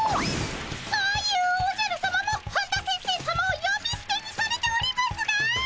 そういうおじゃるさまも本田先生さまをよびすてにされておりますが！